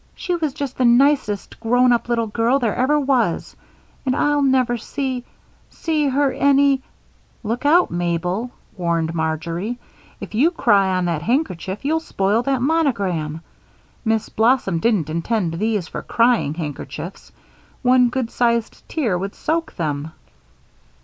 She was just the nicest grown up little girl there ever was, and I'll never see see her any " "Look out, Mabel," warned Marjory, "if you cry on that handkerchief you'll spoil that monogram. Miss Blossom didn't intend these for crying handkerchiefs one good sized tear would soak them."